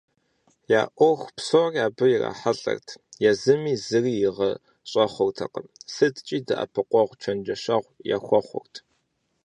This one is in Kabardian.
Я ӏуэху псори абы ирахьэлӏэрт, езыми зыри игъэщӏэхъуртэкъым, сыткӏи дэӏэпыкъуэгъу, чэнджэщэгъу яхуэхъурт.